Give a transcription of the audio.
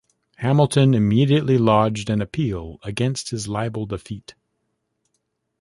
Hamilton immediately lodged an appeal against his libel defeat.